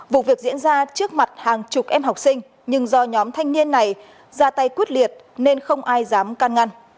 vụ việc diễn ra trước mặt hàng chục em học sinh nhưng do nhóm thanh niên này ra tay quyết liệt nên không ai dám can ngăn